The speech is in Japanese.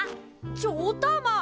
ちょおたま！